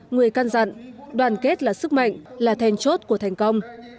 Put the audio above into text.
người can dặn đoàn kết là sức mạnh là thèn chốt của thành công